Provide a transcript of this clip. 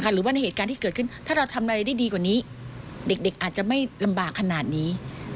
หรือว่าในเหตุการณ์ที่เกิดขึ้นถ้าเราทำอะไรได้ดีกว่านี้เด็กอาจจะไม่ลำบากขนาดนี้